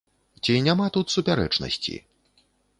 Ці няма тут супярэчнасці?